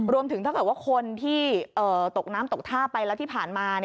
รวมถึงเท่าไหร่ว่าคนที่ตกน้ำตกท่าไปแล้วที่ผ่านมา